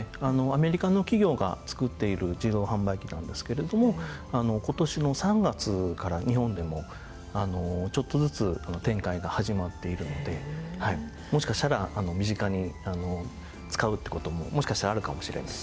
アメリカの企業が作っている自動販売機なんですけれども今年の３月から日本でもちょっとずつ展開が始まっているのでもしかしたら身近に使うって事ももしかしたらあるかもしれない。